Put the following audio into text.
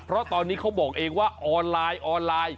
เพราะตอนนี้เขาบอกเองว่าออนไลน์